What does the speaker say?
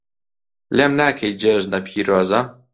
لێم ناکەی جێژنە پیرۆزە